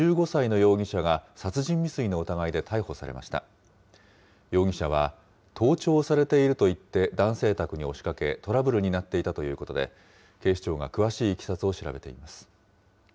容疑者は盗聴されていると言って男性宅に押しかけ、トラブルになっていたということで、警視庁が詳しいいきさつを調べています。